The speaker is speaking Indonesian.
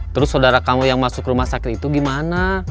terus saudara kamu yang masuk rumah sakit itu gimana